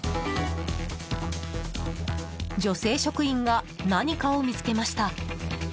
女性職員が何かを見つけました。